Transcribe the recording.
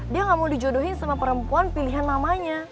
dia gak mau dijodohin sama perempuan pilihan namanya